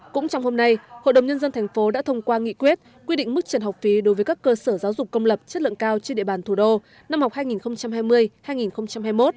cũng trong hôm nay hội đồng nhân dân thành phố đã thông qua nghị quyết quy định mức trần học phí đối với các cơ sở giáo dục công lập chất lượng cao trên địa bàn thủ đô năm học hai nghìn hai mươi hai nghìn hai mươi một